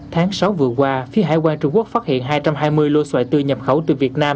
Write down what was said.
tháng sáu vừa qua phía hải quan trung quốc phát hiện hai trăm hai mươi lô xoài tươi nhập khẩu từ việt nam